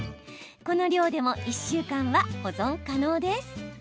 この量でも１週間は保存可能です。